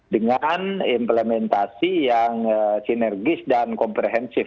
dengan implementasi yang sinergis dan komprehensif